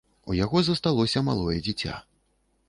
У яго засталося малое дзіця.